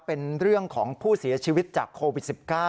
เป็นเรื่องของผู้เสียชีวิตจากโควิด๑๙